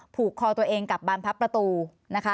ผูกคอตัวเองกับบานพับประตูนะคะ